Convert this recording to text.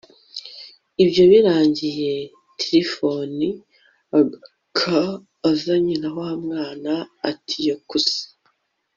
ibyo birangiye, tirifoni agaruka azanye na wa mwana antiyokusi